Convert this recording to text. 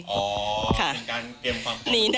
อ๋อเป็นการเตรียมของ